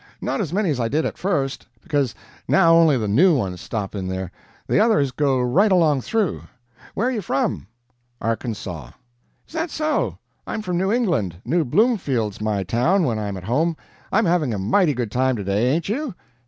Not as many as I did at first, because now only the new ones stop in there the others go right along through. Where are you from?" "Arkansaw." "Is that so? I'm from New England New Bloomfield's my town when I'm at home. I'm having a mighty good time today, ain't you?"